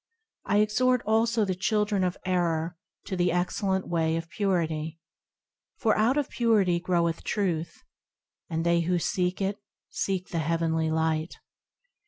I exhort also the children of error to the excellent Way of Purity ; For out of Purity groweth Truth, And they who seek it, seek the heavenly Light.